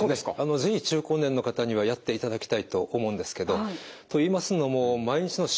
是非中高年の方にはやっていただきたいと思うんですけどといいますのも毎日の食事会話